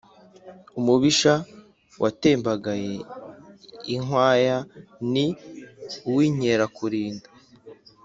Umubisha watembagaye inkwaya ni uw’Inkerakulinda